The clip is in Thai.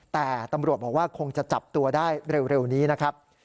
แต่ตำรวจบอกว่าคงจะจับตัวได้เร็วนี้นะครับ